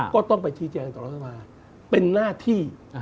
ก็ต้องไปชี้แจงต่อรัฐบาลเป็นหน้าที่